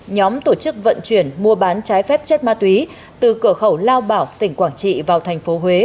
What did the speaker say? nhóm tổ chức vận chuyển mua bán trái phép chất ma túy từ cửa khẩu lao bảo tỉnh quảng trị vào thành phố huế